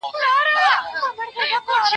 څو شپې ورځي وو په غره کي ګرځېدلی